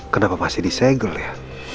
kenapa masih disegel ya